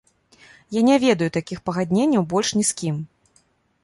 Я не ведаю такіх пагадненняў больш ні з кім!